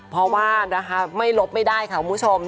เพราะว่าไม่ลบไม่ได้ค่ะผู้ชม